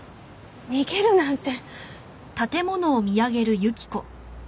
逃げるなんて。